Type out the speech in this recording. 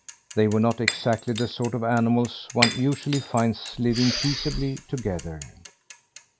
They were not exactly the sort of animals one usually finds living peaceably together.